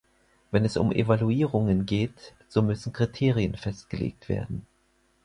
Wenn es um Evaluierungen geht, so müssen Kriterien festgelegt werden.